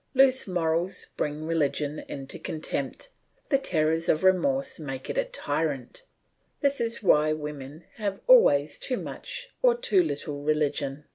Loose morals bring religion into contempt; the terrors of remorse make it a tyrant; this is why women have always too much or too little religion.